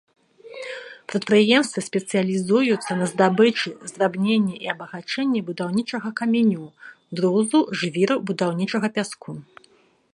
Прадпрыемствы спецыялізуюцца на здабычы, здрабненні і абагачэнні будаўнічага каменю, друзу, жвіру, будаўнічага пяску.